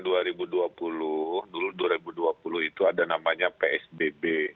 dulu dua ribu dua puluh itu ada namanya psbb